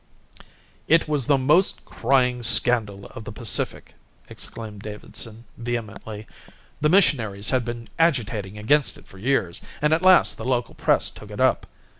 "It was the most crying scandal of the Pacific," exclaimed Davidson vehemently. "The missionaries had been agitating against it for years, and at last the local press took it up.